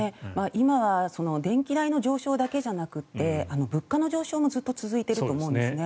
今電気代の上昇だけじゃなくて物価の上昇もずっと続いていると思うんですね。